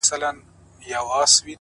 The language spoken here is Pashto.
لاسو كې توري دي لاسو كي يې غمى نه دی!!